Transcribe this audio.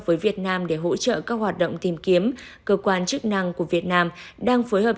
với việt nam để hỗ trợ các hoạt động tìm kiếm cơ quan chức năng của việt nam đang phối hợp